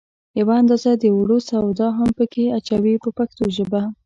یوه اندازه د اوړو سوډا هم په کې اچوي په پښتو ژبه.